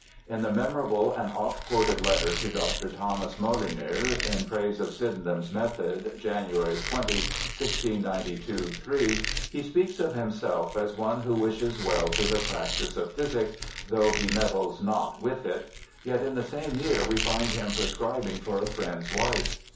In the memorable and oft quoted letter to Dr. Thomas Molyneaux in praise of Sydenham's method, January 20, 1692 3, he speaks of himself as one who wishes well to the practice of ph^^sic * though he meddles not with it ', yet in the same year we find him prescribing for a friend's wife.